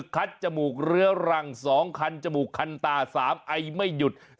จมูกเรื้อรัง๒คันจมูกคันตา๓ไอไม่หยุด